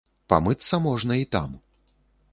Памыцца можна і там.